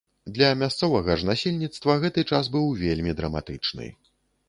Для мясцовага ж насельніцтва гэты час быў вельмі драматычны.